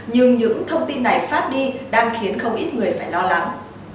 nhưng những thông tin này phát đi đang khiến không ít người phải lo lắng